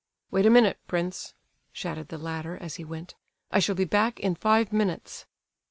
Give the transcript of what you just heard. "Wait a minute, prince," shouted the latter, as he went. "I shall be back in five minutes."